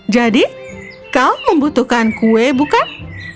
jadi kau membutuhkan kue bukan